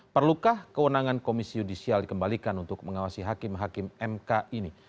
perlukah kewenangan komisi yudisial dikembalikan untuk mengawasi hakim hakim mk ini